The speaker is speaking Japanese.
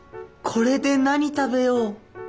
これで何食べよう。